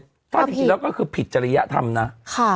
ก็ผิดแล้วก็คือผิดจริยธรรมน่ะค่ะ